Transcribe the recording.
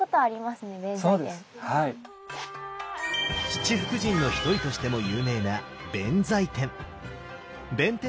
七福神の一人としても有名な弁財天。